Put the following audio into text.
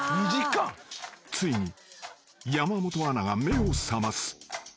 ［ついに山本アナが目を覚ます］